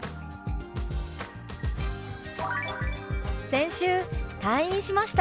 「先週退院しました」。